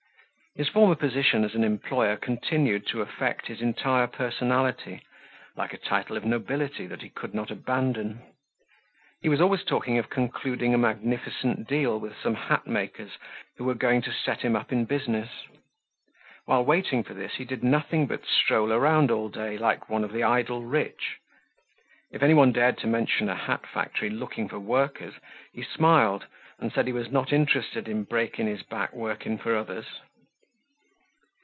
His former position as an employer continued to affect his entire personality, like a title of nobility that he could not abandon. He was always talking of concluding a magnificent deal with some hatmakers who were going to set him up in business. While waiting for this he did nothing but stroll around all day like one of the idle rich. If anyone dared to mention a hat factory looking for workers, he smiled and said he was not interested in breaking his back working for others.